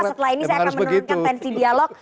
setelah ini saya akan menurunkan tensi dialog